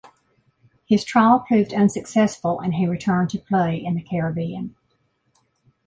His trial proved unsuccessful and he returned to play in the Caribbean.